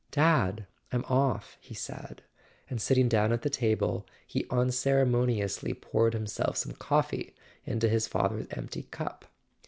"Dad, I'm off," he said; and sitting down at the table, he unceremoniously poured himself some coffee into his father's empty cup.